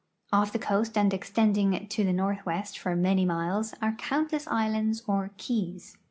Off the coast and extending to the northwest for many miles are countless islands or ke\'S.